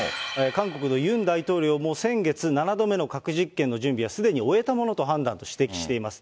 韓国のユン大統領も、先月、７度目の核実験の準備はすでに終えたものと判断と指摘しています。